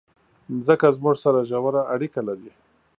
مځکه زموږ سره ژوره اړیکه لري.